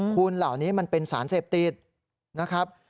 คุณเหล่านี้มันเป็นสารเสพติดนะครับ